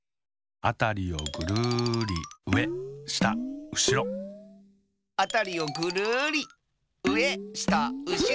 「あたりをぐるりうえしたうしろ」「あたりをぐるりうえしたうしろ」